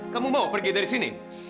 kamu mau pergi dari sini